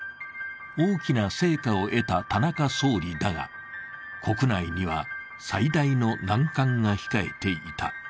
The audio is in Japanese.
大きな成果を得た田中総理だが、国内には最大の難関が控えていた。